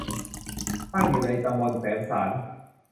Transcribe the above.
ตั้งอยู่ในตำบลแสมสาร